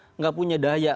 tidak punya daya